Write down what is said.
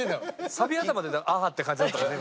サビ頭で「ああ」って感じだったもんね